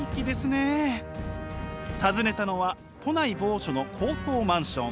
訪ねたのは都内某所の高層マンション。